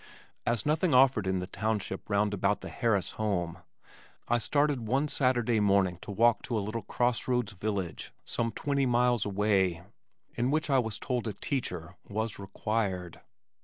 As nothing offered in the township round about the Harris home, I started one Saturday morning to walk to a little cross roads village some twenty miles away, in which I was told a teacher was required.